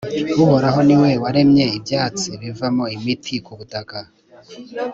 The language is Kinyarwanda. uhoraho ni we waremye ibyatsi bivamo imiti ku butaka